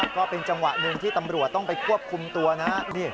ก็เป็นจังหวะหนึ่งที่ตำรวจต้องไปควบคุมตัวนะ